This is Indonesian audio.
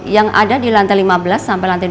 yang ada di lantai lima belas sampai lantai dua